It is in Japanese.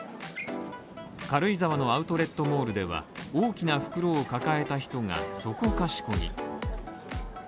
軽井沢のアウトレットモールでは、大きな袋を抱えた人がそこかしこに。